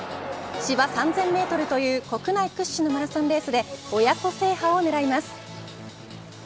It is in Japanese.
芝３０００メートルという国内屈指のマラソンレースで親子制覇を狙います。